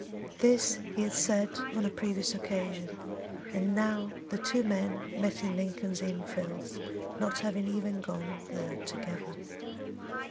This he had said on a previous occasion, and now the two men met in Lincoln's Inn Fields, not having even gone there together.